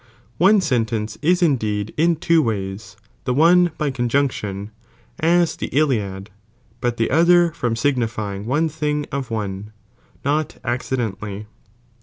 One sentence is indeed in two ways, the one by conjunction, IS the Hiail, but the other from signifying one thing of one, not accidentally.